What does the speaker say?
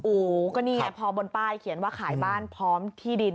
อู๋ก็นี่ไงพอบนป้ายเขียนว่าขายบ้านพร้อมที่ดิน